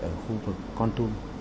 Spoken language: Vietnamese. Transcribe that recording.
ở khu vực con tum